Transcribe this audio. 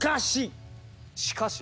しかし！